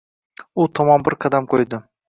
U tomon bir qadam qo‘ydi